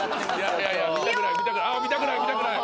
あっ見たくない見たくない。